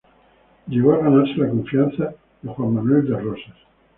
Llegó a ganarse la confianza de Juan Manuel de Rosas.